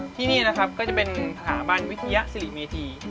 ที่นี่นะครับก็จะเป็นสถาบันวิทยาศิริเมธี